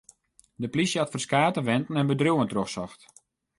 De polysje hat ferskate wenten en bedriuwen trochsocht.